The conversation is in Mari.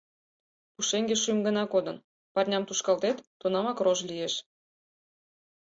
Пушеҥге шӱм гына кодын, парням тушкалтет — тунамак рож лиеш.